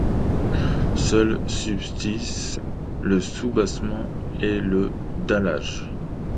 Seuls subsistent le soubassement et le dallage.